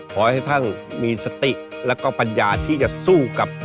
ขอให้ท่านมีสติแล้วก็ปัญญาที่จะสู้กับ